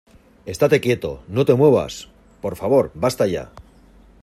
¡ estate quieto, no te muevas , por favor! ¡ basta ya !